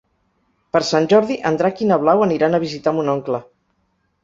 Per Sant Jordi en Drac i na Blau aniran a visitar mon oncle.